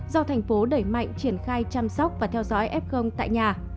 do thành phố đẩy mạnh triển khai chăm sóc và theo dõi f tại nhà